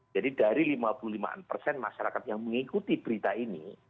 jadi dari lima puluh lima persen masyarakat yang mengikuti berita ini